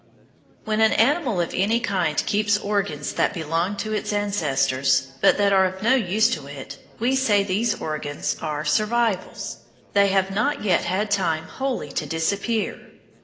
When an animal of any kind keeps organs that belonged to its ancestors, but that are of no use to it, we say these organs are "survivals." They have not yet had time wholly to disappear.